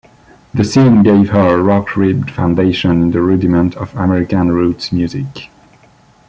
The scene gave her a rock-ribbed foundation in the rudiments of American roots music.